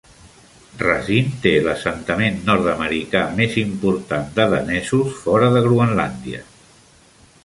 Racine té l'assentament nord-americà més important de danesos fora de Groenlàndia.